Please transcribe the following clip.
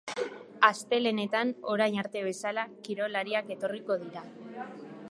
Astelehenetan, orain arte bezala, kirolariak etorriko dira.